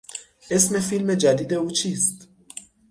اسم فیلم جدید او چیست؟